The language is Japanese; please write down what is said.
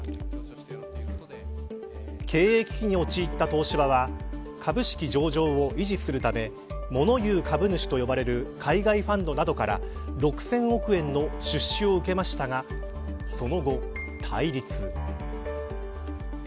経営危機に陥った東芝は株式上場を維持するためもの言う株主と呼ばれる海外ファンドなどから６０００億円の出資を受けましたがその後対立。